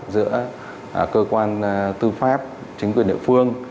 giữa cơ quan tư pháp chính quyền địa phương